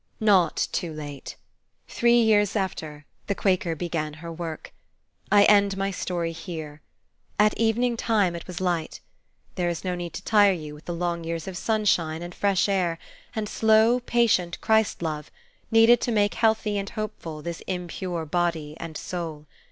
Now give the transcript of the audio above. Not too late. Three years after, the Quaker began her work. I end my story here. At evening time it was light. There is no need to tire you with the long years of sunshine, and fresh air, and slow, patient Christ love, needed to make healthy and hopeful this impure body and soul.